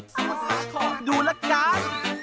สมุทรสาทรดูละกัน